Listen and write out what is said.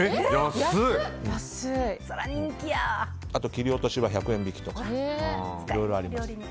切り落としは１００円引きといろいろあります。